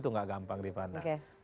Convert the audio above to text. itu tidak gampang rifana